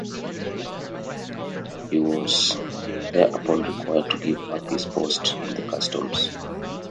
He was thereupon required to give up his post in the customs.